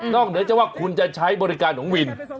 เหนือจะว่าคุณจะใช้บริการของวิน